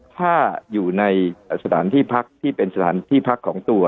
ถ้าอยู่ในสถานที่พักที่เป็นสถานที่พักของตัว